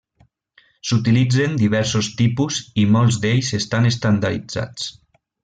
S'utilitzen diversos tipus i molts d'ells estan estandarditzats.